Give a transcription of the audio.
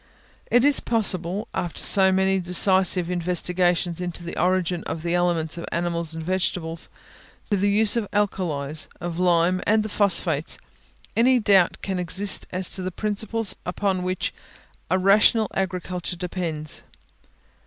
Is it possible, after so many decisive investigations into the origin of the elements of animals and vegetables, the use of the alkalies, of lime and the phosphates, any doubt can exist as to the principles upon which a rational agriculture depends?